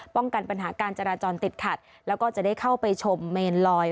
กันปัญหาการจราจรติดขัดแล้วก็จะได้เข้าไปชมเมนลอย